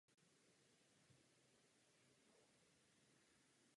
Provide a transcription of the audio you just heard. Na vrcholu se nachází několik chat a ubytovacích zařízení včetně restaurací.